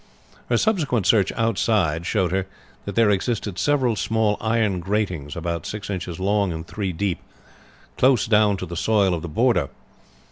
Her subsequent search outside showed her that there existed several small iron gratings about six inches long and three deep, close down to the soil of the border.